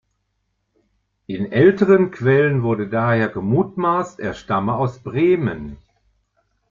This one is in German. In älteren Quellen wurde daher gemutmaßt er stamme aus Bremen.